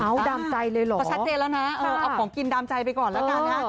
เอาดามใจเลยเหรอก็ชัดเจนแล้วนะเออเอาของกินดามใจไปก่อนแล้วกันนะฮะ